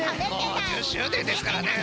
５０周年ですからね。